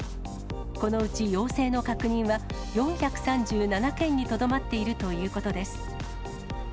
このうち陽性の確認は４３７件にとどまっているということです。